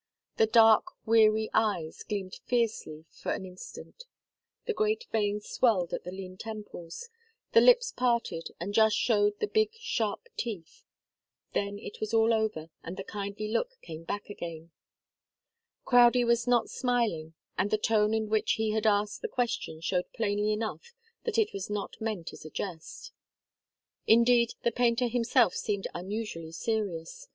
The dark, weary eyes gleamed fiercely for an instant, the great veins swelled at the lean temples, the lips parted and just showed the big, sharp teeth. Then it was all over again and the kindly look came back. Crowdie was not smiling, and the tone in which he had asked the question showed plainly enough that it was not meant as a jest. Indeed, the painter himself seemed unusually serious.